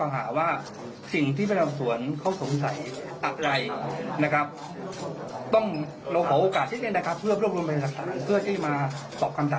ให้ทนายเป็นคนพูด